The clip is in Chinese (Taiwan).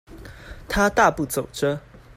他大步走著